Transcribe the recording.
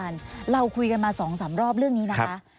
เราคุยกันมา๒๓รอบเรื่องนี้นะคะ